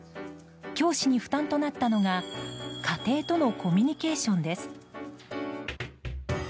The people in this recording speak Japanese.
教師に負担となったのが家庭とのコミュニケーションです。